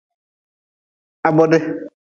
Ha bodi.